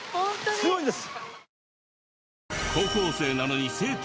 すごいです。